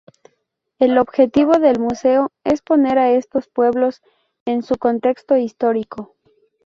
El objetivo del museo es poner a estos pueblos en su contexto histórico.